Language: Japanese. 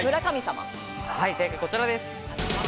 はい、正解はこちらです。